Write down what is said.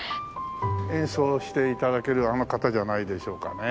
演奏して頂けるあの方じゃないでしょうかね。